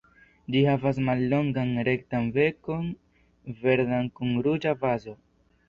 Ĝi havas mallongan rektan bekon, verdan kun ruĝa bazo.